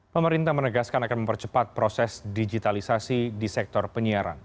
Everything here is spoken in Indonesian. pemerintah menegaskan akan mempercepat proses digitalisasi di sektor penyiaran